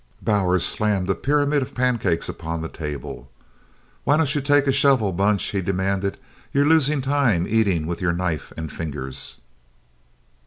Bowers slammed a pyramid of pancakes upon the table. "Why don't you take a shovel, Bunch?" he demanded. "You're losin' time eatin' with your knife and fingers."